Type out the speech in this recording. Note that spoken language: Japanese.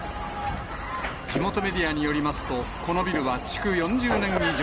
地元メディアによりますと、このビルは築４０年以上。